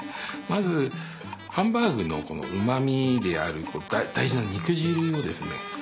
まずハンバーグのうまみである大事な肉汁をですね